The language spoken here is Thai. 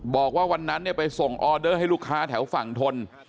บอกว่าวันนั้นไปส่งออเดอร์ให้ลูกค้าแถวฝั่งทน